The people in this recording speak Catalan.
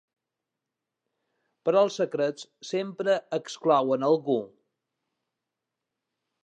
Però els secrets sempre exclouen algú.